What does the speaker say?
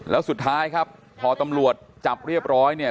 แล้วสุดท้ายครับพอตำรวจจับเรียบร้อยเนี่ย